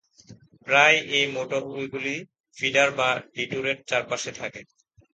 প্রায়ই এই মোটরওয়েগুলি ফিডার বা ডিটুরের চারপাশে থাকে।